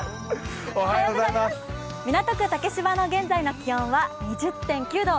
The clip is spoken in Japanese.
港区竹芝の現在の気温は２０．９度